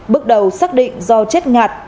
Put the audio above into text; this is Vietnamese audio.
bước đầu xác định do chết ngạt